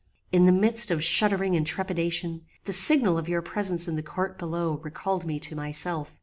"In the midst of shuddering and trepidation, the signal of your presence in the court below recalled me to myself.